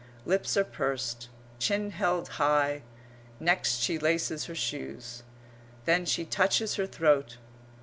Lips are pursed. Chin held high. Next she laces her shoes. Then she touches her throat.